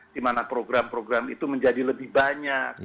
di mana program program itu menjadi lebih banyak